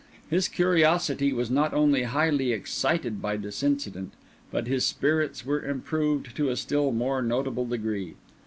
His curiosity was not only highly excited by this incident, but his spirits were improved to a still more notable degree.